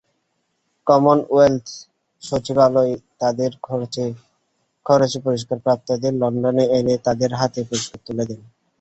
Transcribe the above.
Commonwealth সচিবালয় তাদের খরচে পুরস্কারপ্রাপ্তদের লন্ডনে এনে তাঁদের হাতে পুরস্কার তুলে দেয়।